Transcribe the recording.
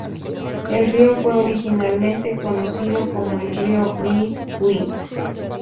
El río fue originalmente conocido como el río Mid-wynd.